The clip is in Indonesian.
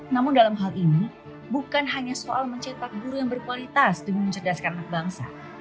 namun dalam hal ini bukan hanya soal mencetak guru yang berkualitas demi mencerdaskan anak bangsa